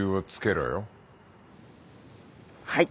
はい。